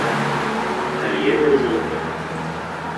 Але я не размаўляў.